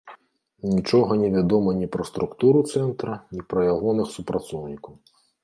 Нічога невядома ні пра структуру цэнтра, ні пра ягоных супрацоўнікаў.